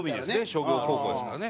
商業高校ですからね。